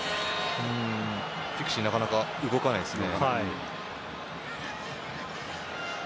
ピクシーがなかなか動かないですね。